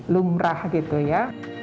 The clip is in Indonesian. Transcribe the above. lumrah gitu ya